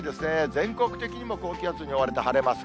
全国的にも高気圧に覆われて晴れます。